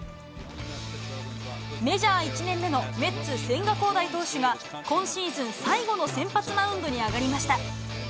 メジャー１年目のメッツ、千賀滉大投手が今シーズン最後の先発マウンドに上がりました。